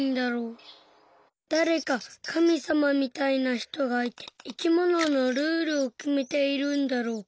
だれかかみさまみたいなひとがいていきもののルールをきめているんだろうか。